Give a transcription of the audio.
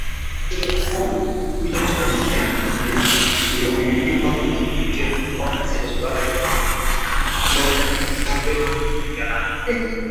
Kichwa cha mtemi kilikabidhiwa kwa Kapteni von Prince pale Iringa Mpya na kutembezwa mtiaani